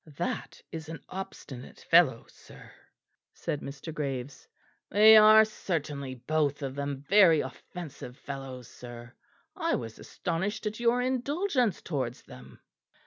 "That is an obstinate fellow, sir," said Mr. Graves. "They are certainly both of them very offensive fellows, sir. I was astonished at your indulgence towards them."